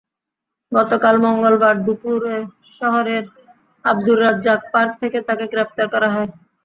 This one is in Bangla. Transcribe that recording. গতকাল মঙ্গলবার দুপুরে শহরের আব্দুর রাজ্জাক পার্ক থেকে তাঁকে গ্রেপ্তার করা হয়।